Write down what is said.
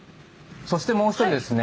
そしてもう１人ですね